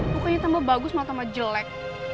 pokoknya tambah bagus mau tambah jelek